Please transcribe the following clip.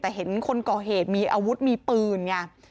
แต่เห็นคนก่อเหตุมีอาวุธมีปืนไง